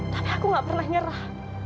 tapi aku gak pernah nyerah